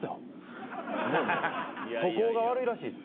素行が悪いらしいです。